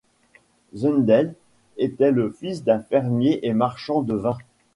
Zundel était le fils d'un fermier et marchand de vin.